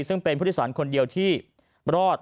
ซึ่งเป็นผู้โดยสารคนเดียวที่รอด